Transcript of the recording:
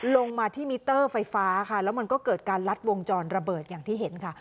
ลงมาที่มิเตอร์ไฟฟ้าค่ะแล้วมันก็เกิดการลัดวงจรระเบิดอย่างที่เห็นค่ะ